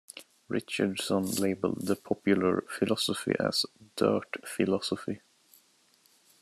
Richardson labeled the popular philosophy as "dirt philosophy".